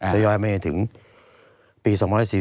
ตั้งแต่ปี๒๕๓๙๒๕๔๘